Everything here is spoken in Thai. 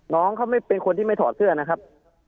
น้องเขาเป็นคนที่ไม่ถอดเสื้อนะครับ